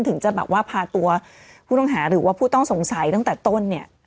ถึงจะแบบว่าพาตัวผู้ต้องหาหรือว่าผู้ต้องสงสัยตั้งแต่ต้นเนี่ย